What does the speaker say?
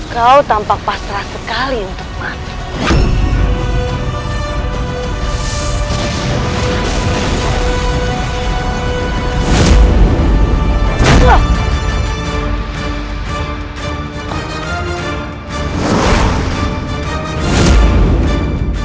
kau tampak pasrah sekali untuk mati